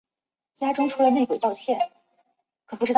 此事在绿岛民间和政治犯中间传诵。